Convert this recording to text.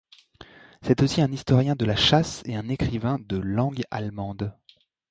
C'est aussi un historien de la chasse et un écrivain de langue allemande.